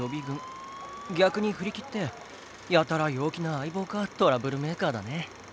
逆に振り切ってやたら陽気な相棒かトラブルメーカーだね。